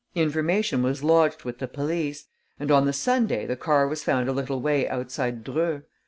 Information was lodged with the police; and on the Sunday the car was found a little way outside Dreux.